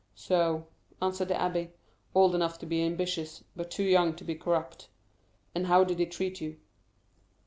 "So," answered the abbé. "Old enough to be ambitious, but too young to be corrupt. And how did he treat you?"